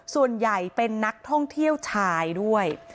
ส่วนใหญ่เป็นนักท่องเที่ยวชายด้วย